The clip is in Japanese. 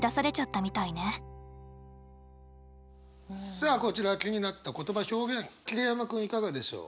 さあこちら気になった言葉表現桐山君いかがでしょう。